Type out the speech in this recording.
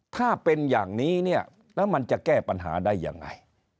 ถ้าเป็นอย่างนี้เนี่ยแล้วมันจะแก้ปัญหาได้ยังไง